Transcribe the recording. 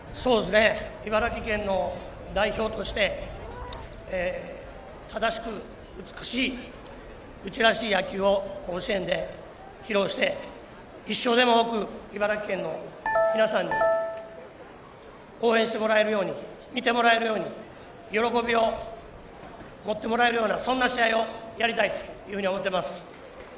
茨城県の代表として正しく美しい、うちらしい野球を甲子園で披露して１勝でも多く茨城県の皆さんに応援してもらえるように見てもらえるように喜びを持ってもらえるようなそんな試合をやりたいというふうに思っています。